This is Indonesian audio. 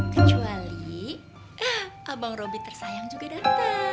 kecuali abang robi tersayang juga dateng